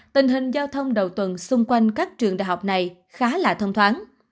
tình hình giao thông đầu tuần xung quanh các trường đại học này khá là thông thoáng